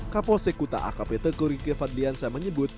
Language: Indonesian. kapolsek kuta akp tegurike fadlianca menyebut